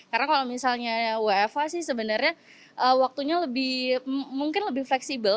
karena kalau misalnya wfh sebenarnya waktunya mungkin lebih fleksibel